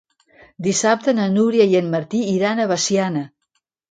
Dissabte na Núria i en Martí iran a Veciana.